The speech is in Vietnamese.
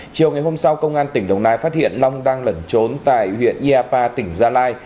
chiều ngày hôm sau công an tỉnh đồng nai phát hiện long đang lẩn trốn tại huyện iapa tỉnh gia lai